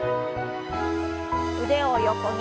腕を横に。